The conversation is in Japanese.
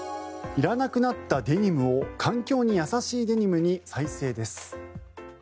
いらなくなったデニムを環境に優しいデニムに再生です。